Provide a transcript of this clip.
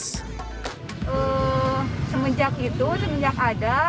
semenjak itu semenjak ada